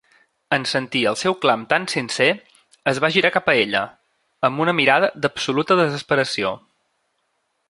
En sentir el seu clam tan sincer, es va girar cap a ella, amb una mirada d'absoluta desesperació.